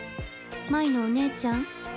真依のお姉ちゃん？